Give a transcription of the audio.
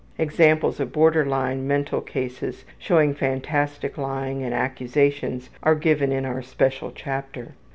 Examples of borderline mental cases showing fantastic lying and accusations are given in our special chapter.